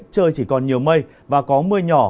trời chỉ còn nhiều mây và có mưa nhỏ